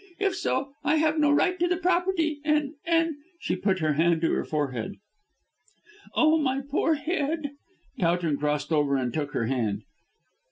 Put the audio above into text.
If so, I have no right to the property, and and " She put her hand to her forehead, "Oh, my poor head!" Towton crossed over and took her hand.